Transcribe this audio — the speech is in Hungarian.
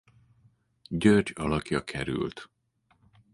György alakja került.